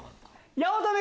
八乙女